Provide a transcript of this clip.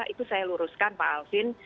itu saya luruskan pak alvin